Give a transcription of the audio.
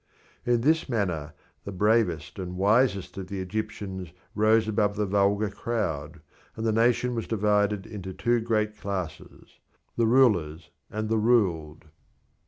In this manner the bravest and wisest of the Egyptians rose above the vulgar crowd, and the nation was divided into two great classes, the rulers and the ruled.